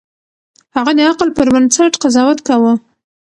هغه د عقل پر بنسټ قضاوت کاوه.